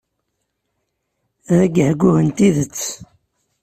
D agehguh n tidet.